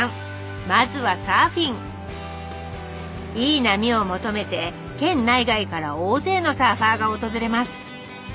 いい波を求めて県内外から大勢のサーファーが訪れます。